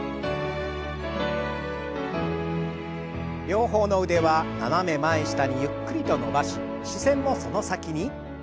両方の腕は斜め前下にゆっくりと伸ばし視線もその先に。